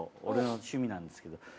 俺の趣味なんですけど。